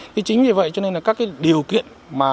thì chính vì vậy cho nên là các điều kiện